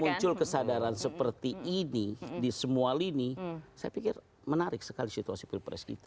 muncul kesadaran seperti ini di semua lini saya pikir menarik sekali situasi pilpres kita